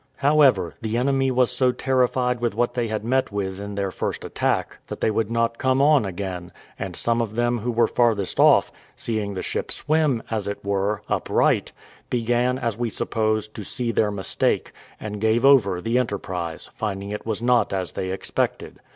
However, the enemy was so terrified with what they had met with in their first attack, that they would not come on again; and some of them who were farthest off, seeing the ship swim, as it were, upright, began, as we suppose, to see their mistake, and gave over the enterprise, finding it was not as they expected.